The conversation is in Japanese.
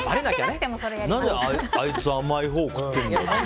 何であいつ甘いほう食ってるんだよって。